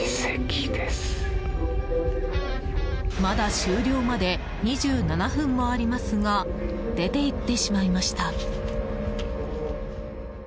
まだ終了まで２７分もありますが出ていってしまいました。